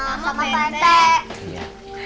sama sama pak rete